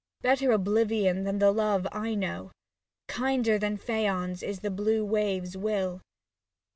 Better oblivion than the love I know. Kinder than Phaon's is the blue wave's will.